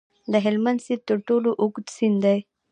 د هلمند سیند تر ټولو اوږد سیند دی